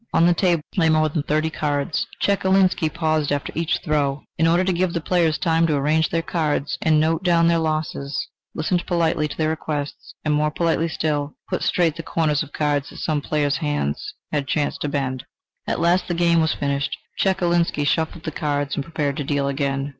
On the table lay more than thirty cards. Chekalinsky paused after each throw, in order to give the players time to arrange their cards and note down their losses, listened politely to their requests, and more politely still, put straight the corners of cards that some player's hand had chanced to bend. At last the game was finished. Chekalinsky shuffled the cards and prepared to deal again.